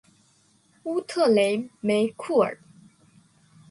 乌特雷梅库尔。